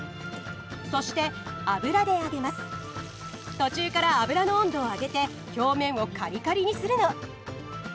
途中から油の温度を上げて表面をカリカリにするの。